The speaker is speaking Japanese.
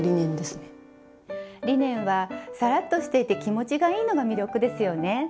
リネンはサラッとしていて気持ちがいいのが魅力ですよね。